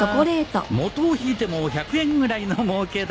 元を引いても１００円ぐらいのもうけだ。